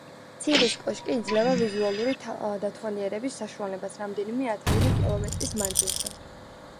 ციხის კოშკი იძლევა ვიზუალური დათვალიერების საშუალებას რამდენიმე ათეული კილომეტრის მანძილზე.